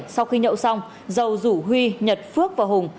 sau khi nhậu xong dầu rủ huy nhật phước và hùng